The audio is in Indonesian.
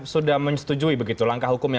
sudah menyetujui begitu langkah hukum yang